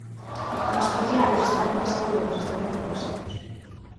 En especial o sistema de saúde e o sistema de pensións.